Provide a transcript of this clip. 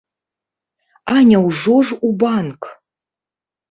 А няўжо ж у банк!